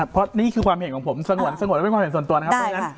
เพราะนี่คือความเห็นของผมสังหวัดไม่เป็นความเห็นส่วนตัวนะครับ